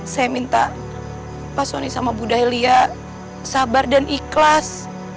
saya minta pak soni sama budaya lia sabar dan ikhlas